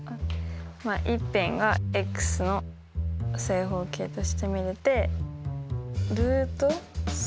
一辺がの正方形として入れて。